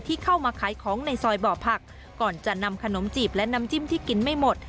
เข้ามาขายของในซอยบ่อผักก่อนจะนำขนมจีบและน้ำจิ้มที่กินไม่หมด